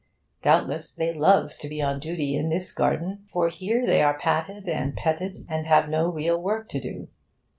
Doubtless they love to be on duty in this garden, for here they are patted and petted, and have no real work to do.